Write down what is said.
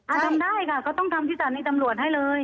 อ่าทำได้ก็ต้องทำจ่าศาลีตำรวจให้เลย